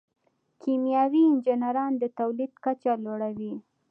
کیمیاوي انجینران د تولید کچه لوړوي.